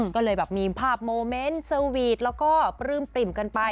ก็เลยแบบมีภาพโมเมนต์สวีทแล้วก็ปลื้มปริ่มกันไป